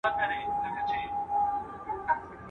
اوس مي ټول یادونه خپل دي چي بېلتون ته یګانه یم.